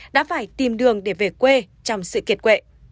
đã phải tìm đường để về quê trong sự kiệt quệ